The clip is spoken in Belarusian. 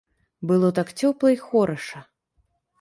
Было так цёпла і хораша.